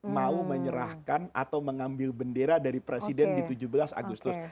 mau menyerahkan atau mengambil bendera dari presiden di tujuh belas agustus